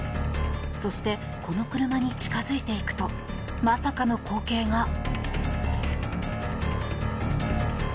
そして、この車に近付いていくとまさかの光景が。